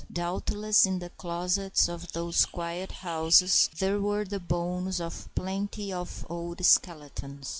Doubtless in the closets of those quiet houses there were the bones of plenty of old skeletons.